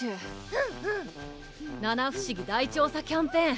「七不思議大調査キャンペーン‼